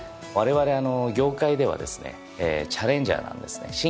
われわれ業界ではですねチャレンジャーなんですね。